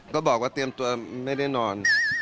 ก็บอกว่าเตรียมตัวไม่ได้นอน